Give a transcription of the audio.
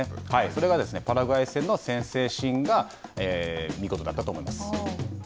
それがパラグアイ戦の先制シーンが見事だったと思います。